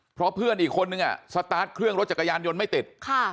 เพราะเพื่อนอีกคนนึงสตาร์ทเครื่องรถจักรยานยนต์ไม่ติด